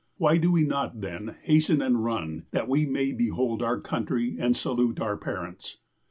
Why do we not, then, hasten and run, that we may behold our country and salute our parents